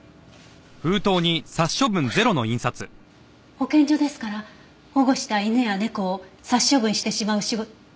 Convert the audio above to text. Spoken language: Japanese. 保健所ですから保護した犬や猫を殺処分してしまう仕事。